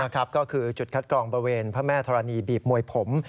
ก็คือจุดคัดกรองบริเวณพระแม่ธรณีบีบมวยผม